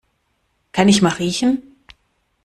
Kann ich mal riechen?